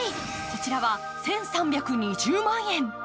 こちらは１３２０万円。